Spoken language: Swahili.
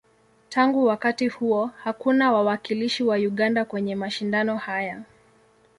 Tangu wakati huo, hakuna wawakilishi wa Uganda kwenye mashindano haya.